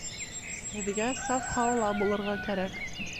Һеҙгә саф һауала булырға кәрәк.